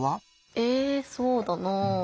えぇそうだなぁ。